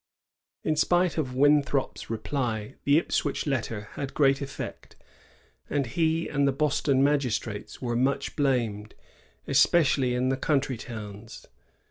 "^ In spite of Winthrop's reply, the Ipswich letter had great effect; and he and the Boston mag^trates were much blamed, especially in the country towns.